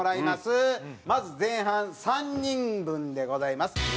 まず前半３人分でございます。